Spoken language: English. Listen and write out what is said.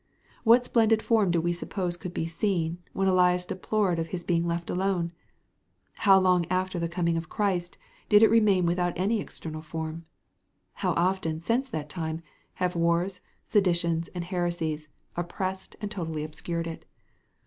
What splendid form do we suppose could be seen, when Elias deplored his being left alone? How long, after the coming of Christ, did it remain without any external form? How often, since that time, have wars, seditions, and heresies, oppressed and totally obscured it?